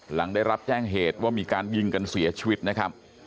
หลังได้รับแจ้งเหตุว่ามีการยิงกันเสียชีวิตนะครับ